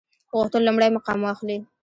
غوښتل لومړی مقام واخلي.